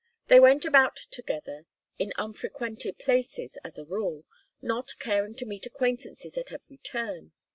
They went about together in unfrequented places, as a rule, not caring to meet acquaintances at every turn.